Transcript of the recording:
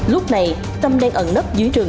lúc này tâm đang ẩn nấp dưới rừng